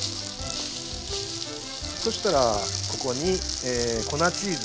そしたらここに粉チーズ。